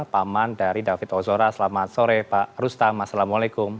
paman dari david ozora selamat sore pak rustam assalamualaikum